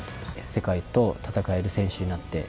世界と戦える選手になりたい。